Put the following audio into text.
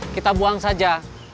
kita buang saja